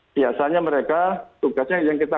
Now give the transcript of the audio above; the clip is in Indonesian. biasanya mereka tugasnya yang kita